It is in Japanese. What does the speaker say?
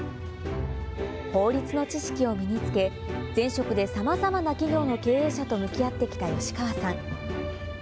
法律の知識を身につけ、前職でさまざまな企業の経営者と向き合ってきた吉川さん。